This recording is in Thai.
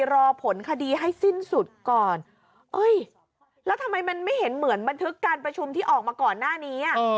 รอผลคดีให้สิ้นสุดก่อนเอ้ยแล้วทำไมมันไม่เห็นเหมือนบันทึกการประชุมที่ออกมาก่อนหน้านี้อ่ะ